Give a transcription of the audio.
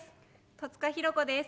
戸塚寛子です。